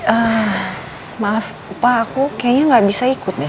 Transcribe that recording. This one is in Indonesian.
eh maaf pak aku kayaknya gak bisa ikut deh